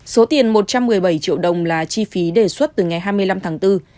số tiền một trăm một mươi bảy triệu đồng là chi phí đề xuất từ ngày hai mươi năm tháng bốn